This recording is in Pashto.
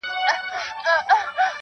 پښتې ستري تر سترو، استثناء د يوې گوتي.